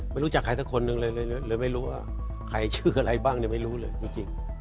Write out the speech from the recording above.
ไม่รู้จักใครสักคนนึงเลยหรือไม่รู้ใครชื่ออะไรบ้างไม่รู้เลย